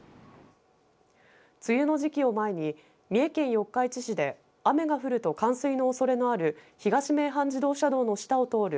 梅雨の時期を前に三重県四日市市で雨が降ると冠水のおそれのある東名阪自動車道の下を通る